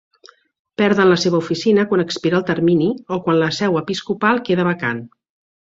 Perden la seva oficina quan expira el termini, o quan la seu episcopal queda vacant.